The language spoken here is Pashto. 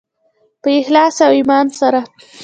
په اخلاص او ایمان سره.